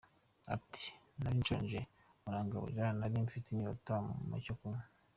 Ati ‘Nari nshonje, murangaburira, nari mfise inyota, mumpa icyo kunywa.